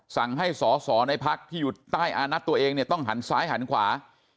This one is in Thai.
สั่งให้สอสอในพักที่อยู่ใต้อานัทตัวเองเนี่ยต้องหันซ้ายหันขวา